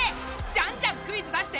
じゃんじゃんクイズ出して！